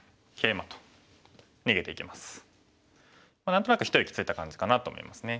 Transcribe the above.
何となく一息ついた感じかなと思いますね。